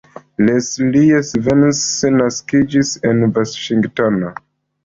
Leslie Stevens naskiĝis en Vaŝingtono.